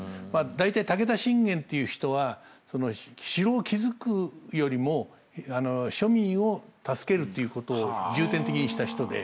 大体武田信玄という人は城を築くよりも庶民を助けるということを重点的にした人で。